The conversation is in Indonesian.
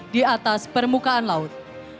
di atas permukaan laut